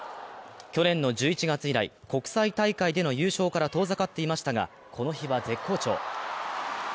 去年の１１月以来、国際大会での優勝から遠ざかっていましたが、この日は絶好調。